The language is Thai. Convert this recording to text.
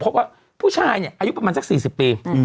พบว่าผู้ชายเนี่ยอายุประมาณสัก๔๐ปี